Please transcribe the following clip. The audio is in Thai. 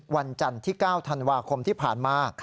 วันจันทร์ที่๙ธันวาคมที่ผ่านมา